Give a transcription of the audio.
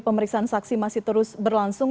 pemeriksaan saksi masih terus berlangsung